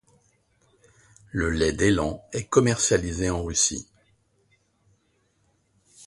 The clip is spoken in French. Le lait d'élan est commercialisé en Russie.